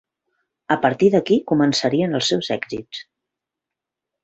A partir d'aquí començarien els seus èxits.